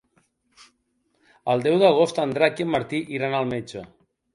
El deu d'agost en Drac i en Martí iran al metge.